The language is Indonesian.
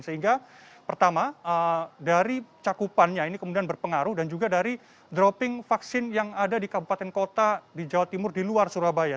sehingga pertama dari cakupannya ini kemudian berpengaruh dan juga dari dropping vaksin yang ada di kabupaten kota di jawa timur di luar surabaya